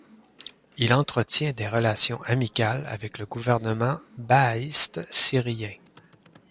Il entretient des relations amicales avec le gouvernement baasiste syrien.